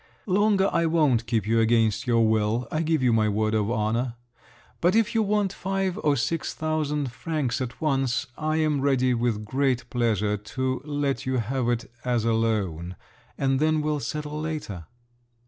Longer I won't keep you against your will—I give you my word of honour. But if you want five or six thousand francs at once, I am ready with great pleasure to let you have it as a loan, and then we'll settle later."